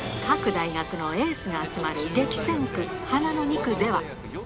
各大学のエースが集まる激戦区、花の２区では。